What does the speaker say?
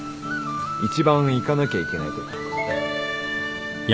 一番行かなきゃいけないとこ。